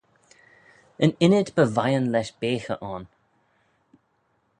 Yn ynnyd by vian lesh beaghey ayn.